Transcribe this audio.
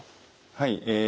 はい。